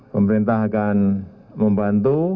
pemerintah akan membantu